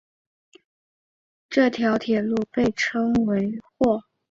这条铁路被称为或。